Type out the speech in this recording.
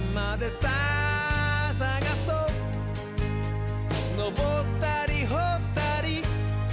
「さあさがそうのぼったりほったり」